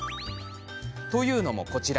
というのも、こちら。